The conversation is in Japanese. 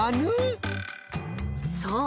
そう！